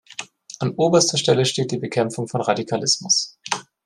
An oberster Stelle steht die Bekämpfung von Radikalismus.